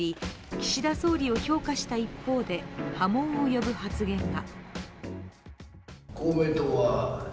岸田総理を評価した一方で波紋を呼ぶ発言が。